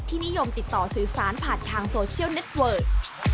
นิยมติดต่อสื่อสารผ่านทางโซเชียลเน็ตเวิร์ด